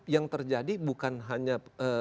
yang terjadi bukan hanya